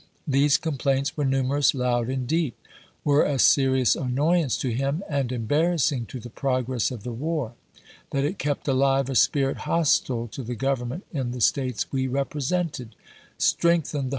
These complaints were numerous, loud, and deep; were a serious aimoyam^f to him, and embarrassing to the progress of the war ; that it kept aUve a spirit hostile to the Govern COMPENSATED ABOLISHMENT 213 ment in the States we represented ; strengthened the chap.